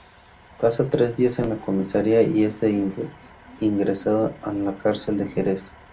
Pasa tres días en la Comisaría y es ingresado en la Cárcel de Jerez.